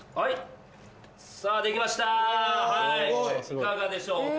いかがでしょうか？